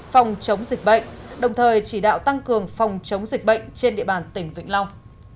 phòng chống dịch bệnh đồng thời chỉ đạo tăng cường phòng chống dịch bệnh trên địa bàn tỉnh vĩnh long